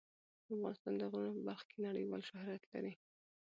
افغانستان د غرونه په برخه کې نړیوال شهرت لري.